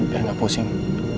biar gak pusing